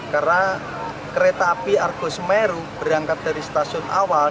karena kereta api argo semeru berangkat dari stasiun awal